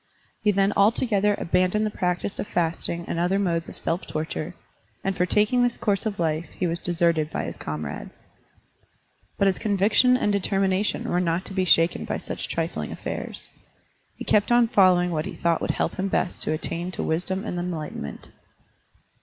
He then altogether abandoned the practice of fasting and other modes of self torture, and for taking this course of life he was Digitized by Google 102 SERMONS OP A BUDDHIST ABBOT deserted by his comrades. But his conviction and determination were not to be shaken by such trifling affairs; he kept on following what he thought would help him best to attain to wisdom and enlightenment.